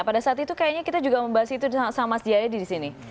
pada saat itu kayaknya kita juga membahas itu sama sama di disini